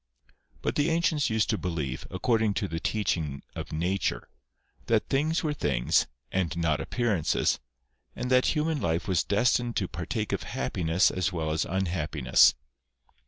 But the ancients used to believe, according to the teaching of Nature, that things were things, and not appearances, and that human life was destined to partake of happiness as well as unhappiness.